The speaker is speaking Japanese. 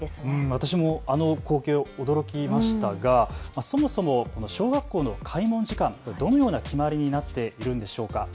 私もあの光景、驚きましたがそもそも小学校の開門時間はどのような決まりになっているんでしょうか。